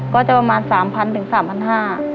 ก็จะประมาณสามพันถึงสามพันห้า